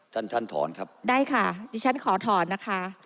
ท่านท่านถอนครับได้ค่ะดิฉันขอถอนนะคะ